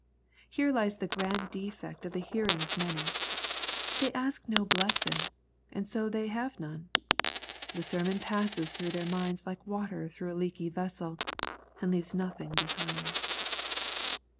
Here lies the grand defect of the hearing of many. They ask no blessing, and so they have none. The sermon passes through their minds like water through a leaky vessel, and leaves nothing behind.